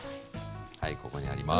はいここにあります。